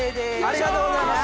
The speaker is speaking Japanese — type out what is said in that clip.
ありがとうございます。